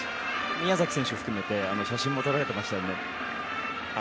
宮崎選手含めて写真も撮られていましたよね。